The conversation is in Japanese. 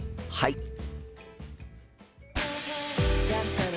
はい。